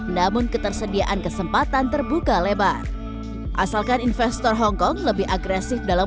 namun ketersediaan kesempatan terbuka lebar asalkan investor hongkong lebih agresif dalam